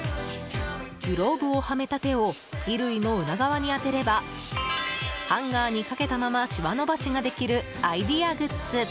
グローブをはめた手を衣類の裏側に当てればハンガーにかけたまましわ伸ばしができるアイデアグッズ。